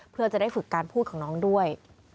เพื่อจะได้ฝึกการพูดของน้องด้วย